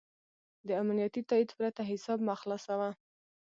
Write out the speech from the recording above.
د امنیتي تایید پرته حساب مه خلاصوه.